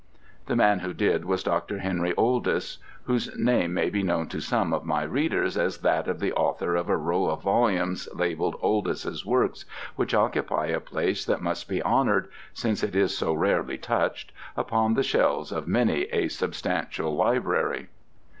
The man who did was Dr. Henry Oldys, whose name may be known to some of my readers as that of the author of a row of volumes labelled Oldys's Works, which occupy a place that must be honoured, since it is so rarely touched, upon the shelves of many a substantial library.